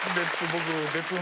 僕。